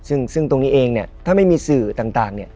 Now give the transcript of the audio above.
ซึ่งตรงนี้เองถ้าไม่มีสื่อต่าง